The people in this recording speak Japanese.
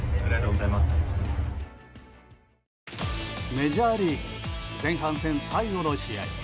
メジャーリーグ前半戦最後の試合。